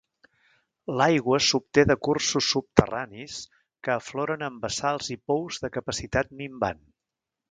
L'aigua s'obté de cursos subterranis que afloren en bassals i pous de capacitat minvant.